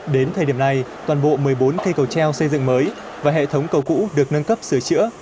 đến thời điểm này toàn bộ một mươi bốn cây cầu treo xây dựng mới và hệ thống cầu cũ được nâng cấp sửa chữa